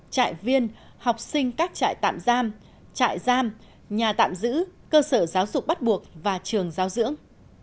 trại viên học sinh các trại tạm giam trại giam nhà tạm giữ cơ sở giáo dục bắt buộc và trường giáo dưỡng